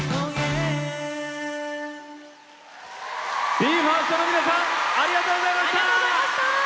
ＢＥ：ＦＩＲＳＴの皆さんありがとうございました。